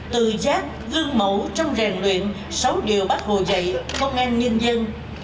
tự giác gương mẫu trong rèn luyện sáu điều bác hồ dạy công an nhân dân